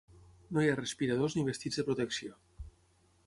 No hi ha respiradors ni vestits de protecció.